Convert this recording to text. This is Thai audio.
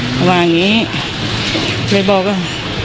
เขาว่าอย่างนี้เลยบอกว่า